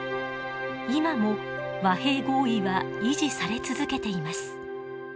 今も和平合意は維持され続けています。